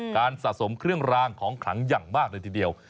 สะสมเครื่องรางของขลังอย่างมากเลยทีเดียว